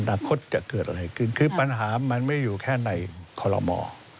คตจะเกิดอะไรขึ้นคือปัญหามันไม่อยู่แค่ในคอลโลมอ